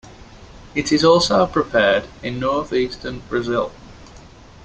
It is also prepared in northeastern Brazil.